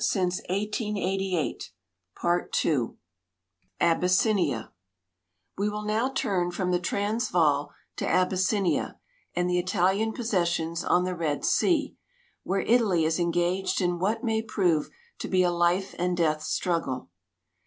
168 AFRICA SINCE 1888 ABYSSINIA We will now turn from the Transvaal to Ab5''ssinia and the Italian jiossessions on the Red sea, where Italy is engaged in what may prove to be a life and death struggle.